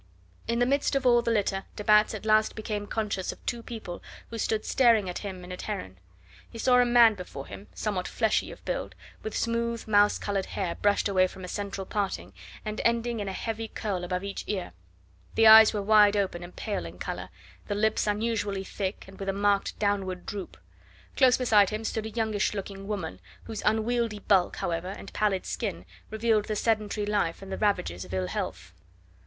In the midst of all the litter de Batz at last became conscious of two people who stood staring at him and at Heron. He saw a man before him, somewhat fleshy of build, with smooth, mouse coloured hair brushed away from a central parting, and ending in a heavy curl above each ear; the eyes were wide open and pale in colour, the lips unusually thick and with a marked downward droop. Close beside him stood a youngish looking woman, whose unwieldy bulk, however, and pallid skin revealed the sedentary life and the ravages of ill health.